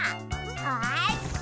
よし！